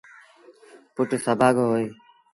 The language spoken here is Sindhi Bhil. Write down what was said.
پُٽ سڀآڳو هوئي۔